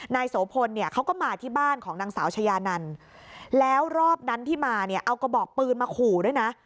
โสพลเนี่ยเขาก็มาที่บ้านของนางสาวชายานันแล้วรอบนั้นที่มาเนี่ยเอากระบอกปืนมาขู่ด้วยนะ